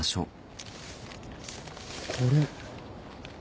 これ。